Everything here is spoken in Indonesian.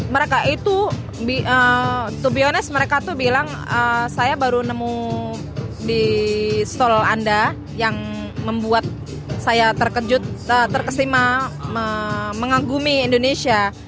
mereka itu to be honest mereka tuh bilang saya baru nemu di stall anda yang membuat saya terkejut terkesima mengagumi indonesia